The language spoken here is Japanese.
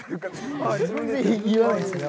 自分で言わないですね。